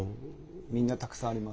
みんなたくさんあります。